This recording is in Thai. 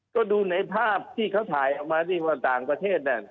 ก็ดูในภาพที่เขาถ่ายออกมาที่ว่าต่างประเทศน่ะ